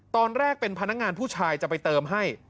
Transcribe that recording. ตอนแรกเป็นพนักงานผู้ชายจะไปเติมให้